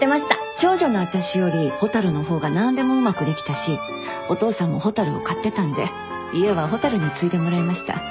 長女の私より蛍の方が何でもうまくできたしお父さんも蛍を買ってたんで家は蛍に継いでもらいました。